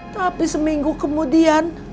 tapi seminggu kemudian